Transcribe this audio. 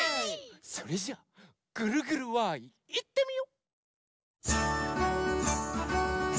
それじゃ「ぐるぐるわい！」いってみよ。